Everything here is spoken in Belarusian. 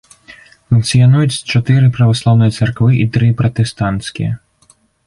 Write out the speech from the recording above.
Функцыянуюць чатыры праваслаўныя царквы і тры пратэстанцкія.